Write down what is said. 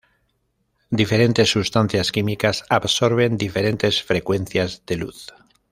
Diferentes sustancias químicas absorben diferentes frecuencias de luz.